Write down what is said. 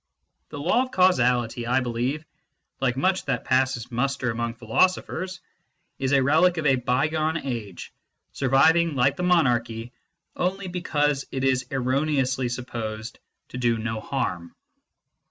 The law of causality, I believe, like much that passes muster among philosophers, is a relic of a bygone age, surviving, like the monarchy, onlv because it is erroneously supposed to do no harm.